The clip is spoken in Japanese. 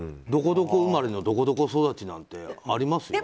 どこどこ生まれのどこどこ育ちなんてあります？